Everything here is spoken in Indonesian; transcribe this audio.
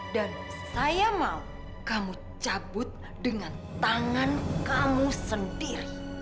dan saya mau kamu cabut dengan tangan kamu sendiri